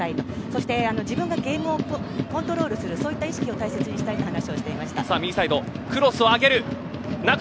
そして自分がゲームをコントロールするそういった意識を大切にしたいと話していました。